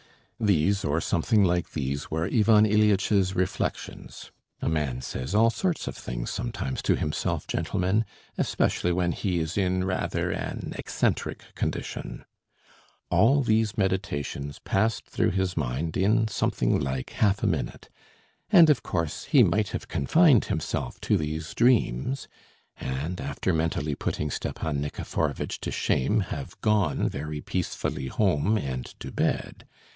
These, or something like these, were Ivan Ilyitch's reflections, (a man says all sorts of things sometimes to himself, gentlemen, especially when he is in rather an eccentric condition). All these meditations passed through his mind in something like half a minute, and of course he might have confined himself to these dreams and, after mentally putting Stepan Nikiforovitch to shame, have gone very peacefully home and to bed.